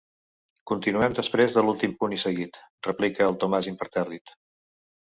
Continuem després de l'últim punt i seguit –replica el Tomàs, impertèrrit–.